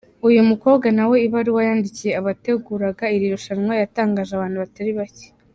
Uyu mukobwa nawe ibaruwa yandikiye abateguraga iri rushanwa yatangaje abantu batari bake.